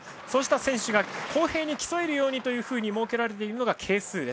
そうした選手が公平に競えるように設けられているのが係数。